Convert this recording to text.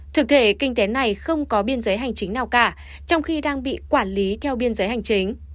thực thể kinh tế này không có biên giới hành chính nào cả trong khi đang bị quản lý theo biên giới hành chính